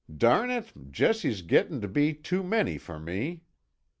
Darn it, Jessie's gettin' to be too many for me.